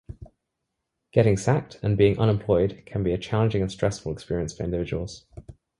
Getting sacked and being unemployed can be a challenging and stressful experience for individuals.